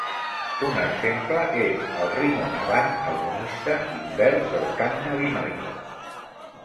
Un exemple és el rimonabant, agonista invers del cannabinoide.